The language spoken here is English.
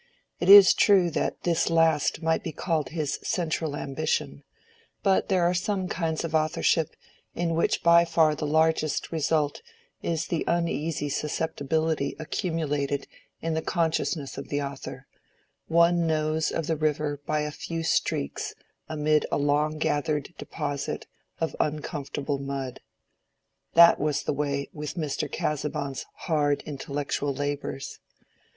It is true that this last might be called his central ambition; but there are some kinds of authorship in which by far the largest result is the uneasy susceptibility accumulated in the consciousness of the author—one knows of the river by a few streaks amid a long gathered deposit of uncomfortable mud. That was the way with Mr. Casaubon's hard intellectual labors.